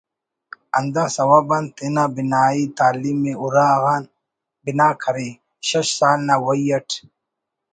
ہندا سوب آن تینا بنائی تعلیم ءِ اراغان بنا کرے شش سال نا وئی اٹ